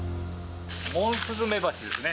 モンスズメバチですね。